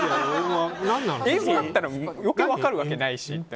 英語だったら余計分かるわけないし。